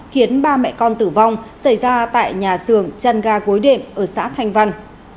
khiến ba mẹ con tử vong xảy ra tại nhà xưởng trăn ga cối đệm ở xã thanh văn